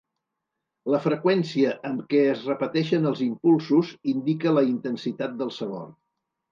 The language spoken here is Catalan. La freqüència amb què es repeteixen els impulsos indica la intensitat del sabor.